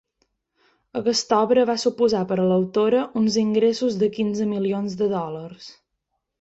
Aquesta obra va suposar per a l'autora uns ingressos de quinze milions de dòlars.